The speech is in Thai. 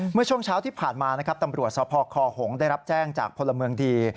เมื่อช่วงเช้าที่ผ่านมานะครับตำรวจสพคหงษได้รับแจ้งจากพลเมืองดี